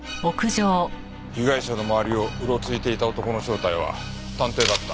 被害者の周りをうろついていた男の正体は探偵だった。